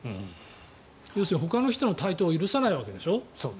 要するにほかの人の台頭を許さないわけでしょ。